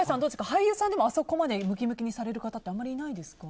俳優さんでもあそこまでムキムキにされる方ってあんまりいないですか？